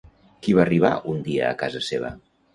Qui va arribar un dia a casa seva?